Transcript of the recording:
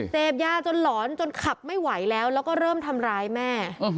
เสพยาจนหลอนจนขับไม่ไหวแล้วแล้วก็เริ่มทำร้ายแม่